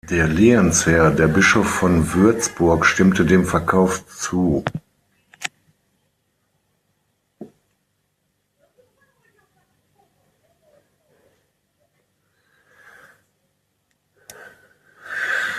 Der Lehensherr, der Bischof von Würzburg, stimmte dem Verkauf zu.